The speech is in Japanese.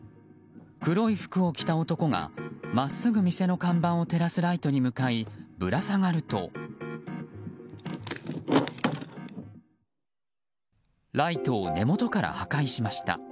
黒い服を着た男が真っすぐ店の看板を照らすライトに向かいぶら下がるとライトを根元から破壊しました。